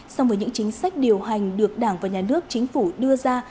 song với những chính sách điều hành được đảng và nhà nước chính phủ đưa ra